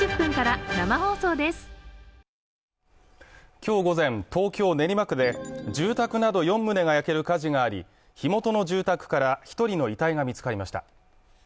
今日午前、東京・練馬区で住宅など４棟が焼ける火事があり火元の住宅から１人の遺体が見つかりました。